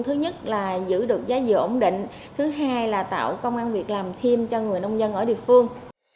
thứ nhất là giữ được giá dừa ổn định thứ hai là tạo công an việc làm thêm cho người nông dân ở địa phương